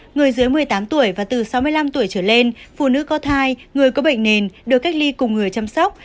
người dưới một mươi tám tuổi và từ sáu mươi năm tuổi trở lên phụ nữ có thai người có bệnh nền được cách ly cùng người chăm sóc